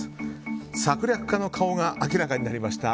策略家の顔が明らかになりました